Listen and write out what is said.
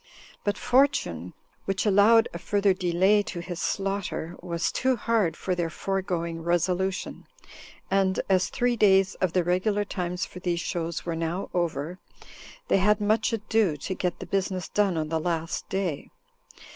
But fortune, which allowed a further delay to his slaughter, was too hard for their foregoing resolution; and as three days of the regular times for these shows were now over, they had much ado to get the business done on the last day.